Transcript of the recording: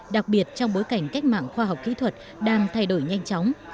đặc biệt trong bối cảnh cách mạng khoa học kỹ thuật đang thay đổi nhanh chóng